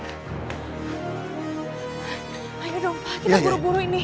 kita buru buru ini